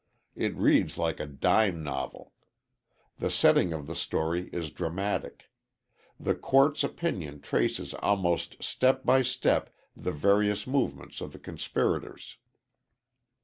It reads like a dime novel. The setting of the story is dramatic. The court's opinion traces almost step by step the various movements of the conspirators.